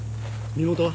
身元は？